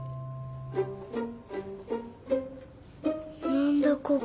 何だここ。